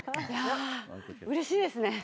うれしいですね。